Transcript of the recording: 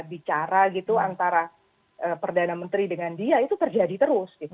bicara gitu antara perdana menteri dengan dia itu terjadi terus gitu